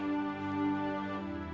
tante aku mau makan